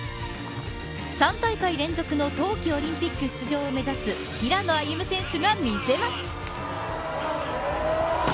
３大会連続の冬季オリンピック出場を目指す平野歩夢選手が見せます。